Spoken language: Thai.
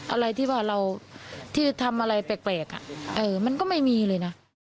อะไรที่ว่าเราที่ทำอะไรแปลกมันก็ไม่มีเลยนะ